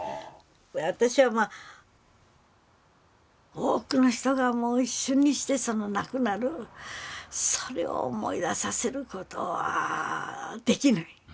私はまあ多くの人が一瞬にして亡くなるそれを思い出させる事はできない。